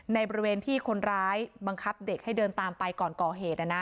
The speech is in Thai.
ในบริเวณที่คนร้ายบังคับเด็กให้เดินตามไปก่อนก่อเหตุ